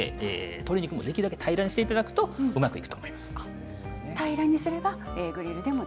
鶏肉も、できるだけ平らにしていただくとうまくいくと思います。